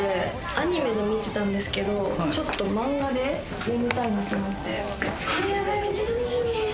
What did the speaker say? アニメで見てたんですけど漫画で読みたいと思って。